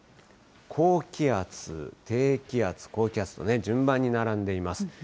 高気圧、低気圧、高気圧と、順番に並んでいます。